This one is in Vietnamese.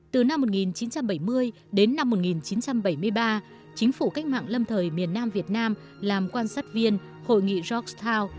từ năm một nghìn chín trăm bảy mươi đến năm một nghìn chín trăm bảy mươi ba chính phủ cách mạng lâm thời miền nam việt nam làm quan sát viên hội nghị jog town